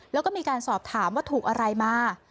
แล้วก็มีการสอบถามว่าถูกอะไรมา